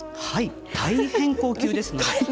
はい大変高級ですので。